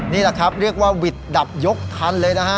นี่แหละครับเรียกว่าวิดดับยกคันเลยนะฮะ